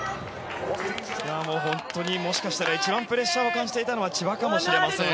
本当に、もしかしたら一番プレッシャーを感じていたのは千葉かもしれません。